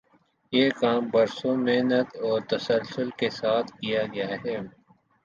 یہ کام برسوں محنت اور تسلسل کے ساتھ کیا گیا ہے۔